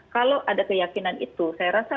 kalau ada keyakinan itu saya rasa